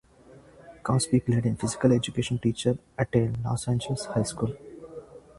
Cosby played a physical education teacher at a Los Angeles high school.